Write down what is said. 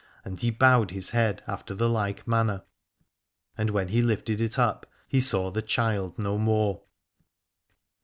And he bowed his head after the like manner, and when he lifted it up he saw the child no more.